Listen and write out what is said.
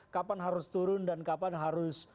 kapan harus turun dan kapan harus